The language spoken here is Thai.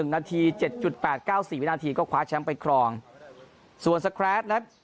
นาที๗๘๙๔วินาทีก็คว้าแชมป์ไปครองส่วนสแครสนะครับ